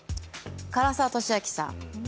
唐沢寿明さん。